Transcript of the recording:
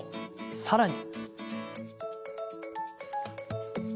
さらに。